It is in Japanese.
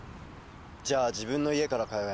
じゃあ自分の家から通え。